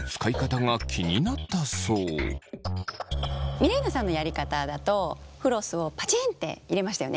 ミレイナさんのやり方だとフロスをパチンって入れましたよね？